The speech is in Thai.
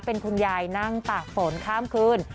เป็นคุณยายนั่งตากฝนข้ามคืน